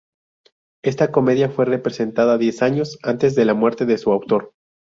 Esta comedia fue representada diez años antes de la muerte de su autor.